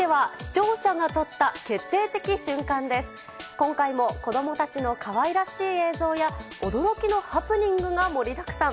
今回も子どもたちのかわいらしい映像や驚きのハプニングが盛りだくさん。